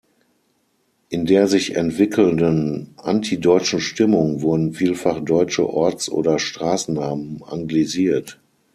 In der sich entwickelnden antideutschen Stimmung wurden vielfach deutsche Orts- oder Straßennamen anglisiert.